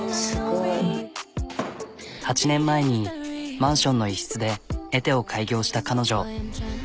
すごい。８年前にマンションの一室でｔを開業した彼女。